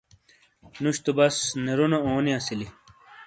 نوش تو بس نرونو اونی اسیلی۔